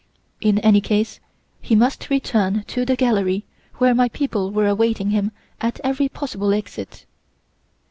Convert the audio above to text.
In any case, he must return to the gallery where my people were awaiting him at every possible exit.